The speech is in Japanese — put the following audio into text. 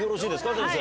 先生。